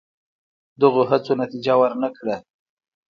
دغو هڅو نتیجه ور نه کړه.